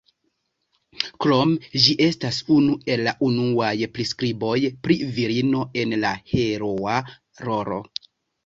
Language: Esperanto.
Krome ĝi estas unu el la unuaj priskriboj pri virino en la heroa rolo.